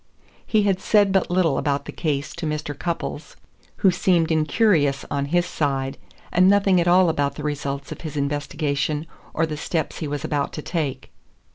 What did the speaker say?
He had said but little about the case to Mr. Cupples, who seemed incurious on his side, and nothing at all about the results of his investigation or the steps he was about to take.